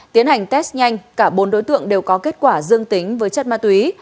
tiến hành test nhanh cả bốn đối tượng đều có kết quả dương tính với chất ma túy